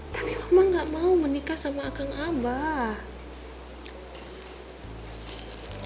tapi mama gak mau menikah sama akang abah